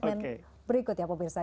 segmen berikut ya pemirsa